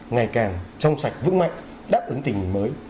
ngày càng trong sạch vững mạnh đáp ứng tình hình mới